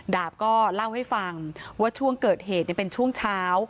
ดาบก็เล่าให้ฟังว่าช่วงเกิดเหตุเป็นช่วงเช้า